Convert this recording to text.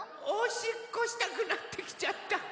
おしっこしたくなってきちゃった。